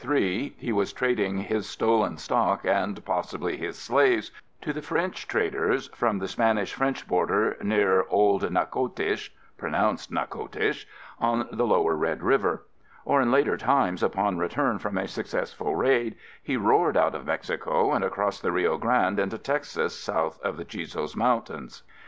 _] Years before the purchase of 1803, he was trading his stolen stock, and possibly his slaves, to the French traders from the Spanish French border near old Natchitoches (pronounced Nacotish) on the lower Red River. Or in later times, upon return from a successful raid, he roared out of Mexico and across the Rio Grande into Texas south of the Chisos Mountains.